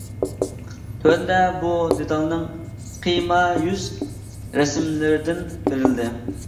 تۆۋەندە بۇ دېتالنىڭ قىيما يۈز رەسىملىرىدىن بېرىلدى.